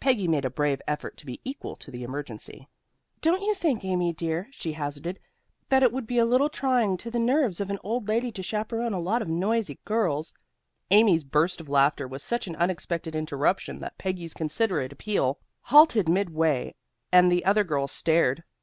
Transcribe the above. Peggy made a brave effort to be equal to the emergency. "Don't you think, Amy, dear," she hazarded, "that it would be a little trying to the nerves of an old lady to chaperon a lot of noisy girls " Amy's burst of laughter was such an unexpected interruption that Peggy's considerate appeal halted midway and the other girls stared.